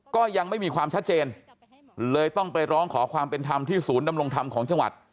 ก็ยังไม่มีความชัดเจนเลยต้องไปร้องขอความเป็นธรรมที่ศูนย์ดำรงธรรมของจังหวัด